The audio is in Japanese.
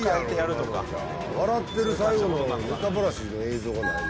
笑ってる最後のネタバラシの映像がない。